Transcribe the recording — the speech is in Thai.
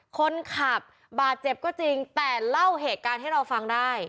คนขับบาดเจ็บก็จริงแต่เล่าเหตุการณ์ให้เราฟังได้